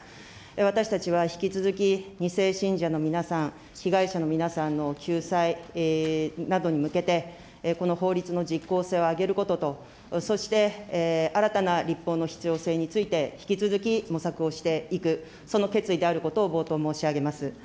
私たちは引き続き、２世信者の皆さん、被害者の皆さんの救済などに向けて、この法律の実効性を上げることと、そして新たな立法の必要性について、引き続き模索をしていく、その決意であることを冒頭申し上げます。